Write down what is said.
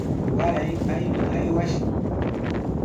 Waray payman aywashun.